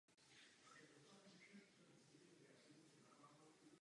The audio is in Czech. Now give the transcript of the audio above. Východní Německo a sjednocené Německo reprezentoval v osmdesátých a devadesátých letech.